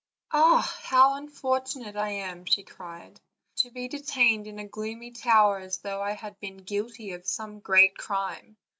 "Ah! how unfortunate I am," cried she, "to be de tained in a gloomy tower, as though I had been guilty of some great crime!